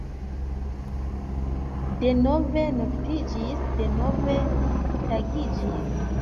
Denove noktiĝis; denove tagiĝis.